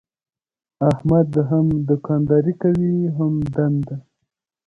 احمد هم دوکانداري کوي هم دنده.